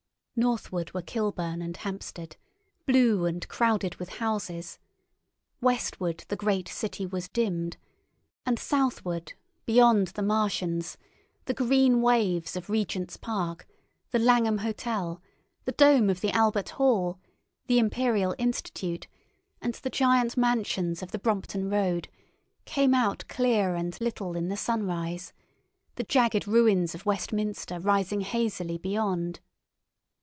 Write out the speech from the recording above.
Northward were Kilburn and Hampsted, blue and crowded with houses; westward the great city was dimmed; and southward, beyond the Martians, the green waves of Regent's Park, the Langham Hotel, the dome of the Albert Hall, the Imperial Institute, and the giant mansions of the Brompton Road came out clear and little in the sunrise, the jagged ruins of Westminster rising hazily beyond.